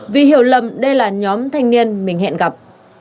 vì hiểu lầm đây là nhóm thanh niên mình hẹn gặp